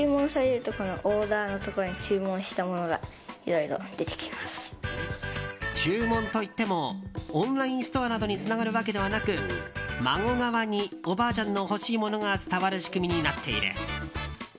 例えば。注文といってもオンラインストアなどにつながるわけではなく孫側におばあちゃんの欲しいものが伝わる仕組みになっている。